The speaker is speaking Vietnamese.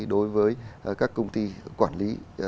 đối với các công ty quản lý